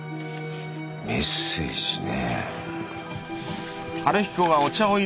メッセージね。